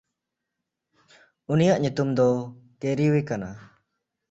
ᱩᱱᱤᱭᱟᱜ ᱧᱩᱛᱩᱢ ᱫᱚ ᱠᱮᱨᱤᱣᱮ ᱠᱟᱱᱟ᱾